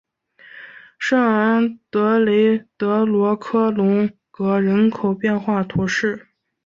圣昂德雷德罗科龙格人口变化图示